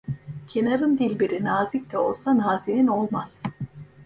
Kenarın dilberi nazik de olsa nazenin olmaz.